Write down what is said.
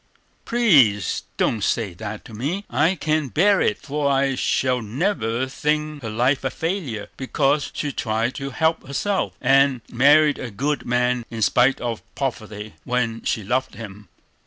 "Please, don't say that to me; I can't bear it, for I shall never think her life a failure, because she tried to help herself, and married a good man in spite of poverty, when she loved him!